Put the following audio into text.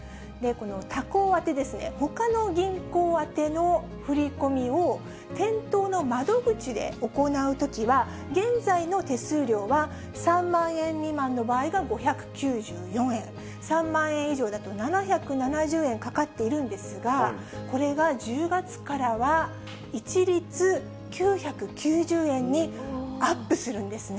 他行あて、ほかの銀行宛ての振り込みを、店頭の窓口で行うときは、現在の手数料は、３万円未満の場合が５９４円、３万円以上だと７７０円かかっているんですが、これが１０月からは、一律９９０円にアップするんですね。